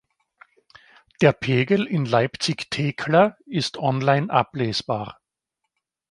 Der Pegel in Leipzig-Thekla ist online ablesbar.